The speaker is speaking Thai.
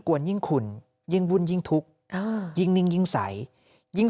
วนยิ่งคุณยิ่งวุ่นยิ่งทุกข์ยิ่งนิ่งยิ่งใสยิ่ง